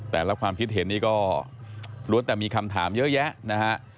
ความคิดเห็นนี่ก็ล้วนแต่มีคำถามเยอะแยะนะฮะ